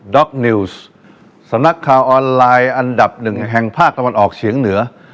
็อกนิวส์สำนักข่าวออนไลน์อันดับหนึ่งแห่งภาคตะวันออกเฉียงเหนือ